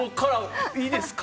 いいですか？